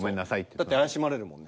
だって怪しまれるもんね。